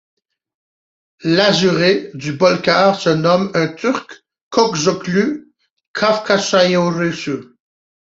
L'Azuré du Bolkar se nomme en turc Çokgözlü Kafkasyaerosu.